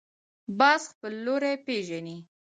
باز خپل لوری پېژني